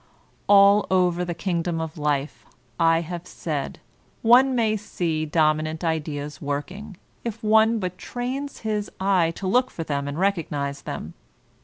All over the kingdom of life, I have said, one may see dominant ideas working, if one but trains his eyes to look for them and recognize them.